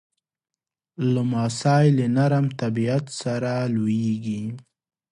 لمسی له نرم طبیعت سره لویېږي.